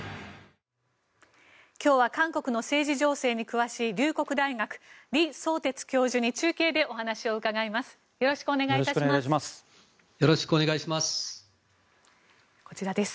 今日は韓国の政治情勢に詳しい龍谷大学李相哲教授に中継でお話を伺います。